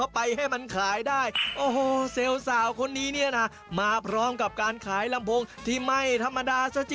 โปรดต้อนรับ